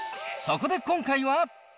そこで今回は。